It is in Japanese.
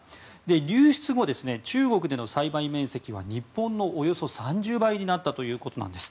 流出後、中国での栽培面積は日本のおよそ３０倍になったということなんです。